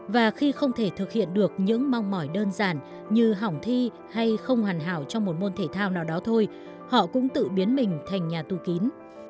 và khi không thể thực hiện được những mong mỏi đơn giản như hỏng thi hay không hoàn hảo trong một môn thể thao nào đó thôi họ cũng tự biến mình thành nhà tù kín